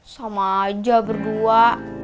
sama aja berdua